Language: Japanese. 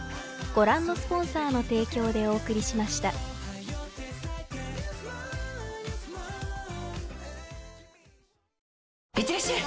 ニトリいってらっしゃい！